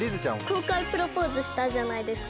公開プロポーズしたじゃないですか。